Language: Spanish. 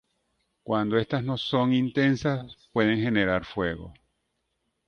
Cuando estas no son intensas pueden generar fuego.